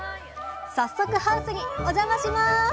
早速ハウスにお邪魔します！